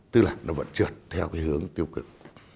tức là nó vẫn trượt theo cái hướng tiêu cực